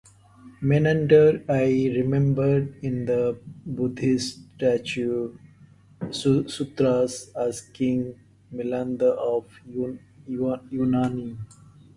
Menander I is remembered in Buddhist Sutras as King Milinda of the Yunani.